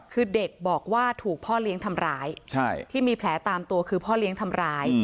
คือเด็กบอกว่าถูกพ่อเลี้ยงทำร้ายที่มีแผลตามตัวคือพ่อเลี้ยงทำร้าย